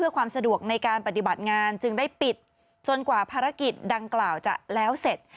กว่าภารกิจดังกล่าวจะแล้วเสร็จ